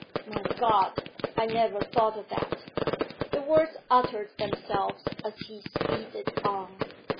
'My God! I never thought of that.' The words uttered themselves as he speeded on.